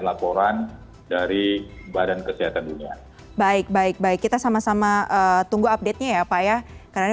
laporan dari badan kesehatan dunia baik baik baik kita sama sama tunggu update nya ya pak ya karena ini